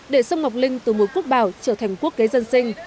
để sông ngọc linh từ một quốc bảo trở thành quốc kế dân sinh